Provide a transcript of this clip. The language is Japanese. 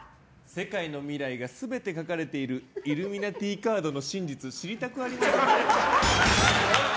世界の未来が全て書かれているイルミナティカードの真実知りたくありません？